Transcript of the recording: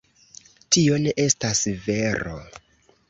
Tio ne estas vero.